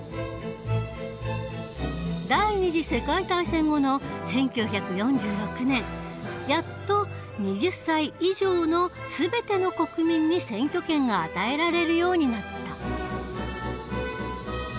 第２次世界大戦後の１９４６年やっと２０歳以上の全ての国民に選挙権が与えられるようになった。